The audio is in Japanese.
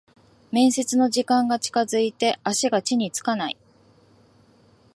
面接の時間が近づいて足が地につかない